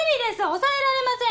抑えられません！